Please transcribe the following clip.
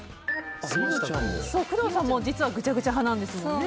工藤さんも実はぐちゃぐちゃ派なんですよね。